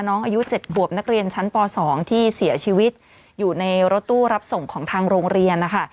อายุ๗ขวบนักเรียนชั้นป๒ที่เสียชีวิตอยู่ในรถตู้รับส่งของทางโรงเรียนนะคะ